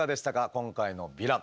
今回のヴィラン。